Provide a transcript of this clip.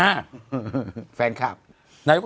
นายยกครับเป็นดอกไม้เชี่ยงเหน่า๒อัน